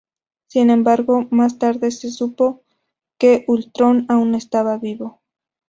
Sin embargo, más tarde se supo que Ultrón aún estaba vivo.